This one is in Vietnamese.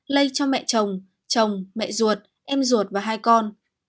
lây cho mẹ chồng chồng mẹ ruột em ruột và hai con